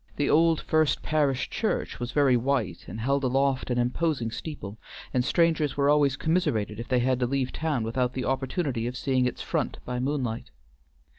The old First Parish Church was very white and held aloft an imposing steeple, and strangers were always commiserated if they had to leave town without the opportunity of seeing its front by moonlight.